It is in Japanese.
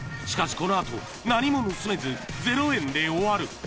［しかしこの後何も盗めず０円で終わる］